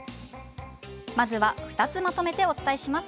まずは２つまとめてお伝えします。